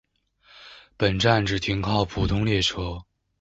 本站只停靠普通列车。